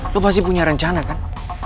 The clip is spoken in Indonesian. lo pasti punya rencana kan